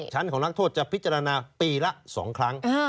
ชั้นของนักโทษจะพิจารณาปีละ๒ครั้ง